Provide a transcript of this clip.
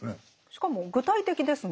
しかも具体的ですね。